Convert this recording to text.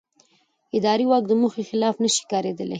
اداري واک د موخې خلاف نه شي کارېدلی.